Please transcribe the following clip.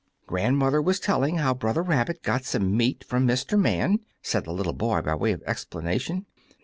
"Grandmother was telling how Brother Rabbit got some meat from Mr. Man," said the little boy by way of explanation.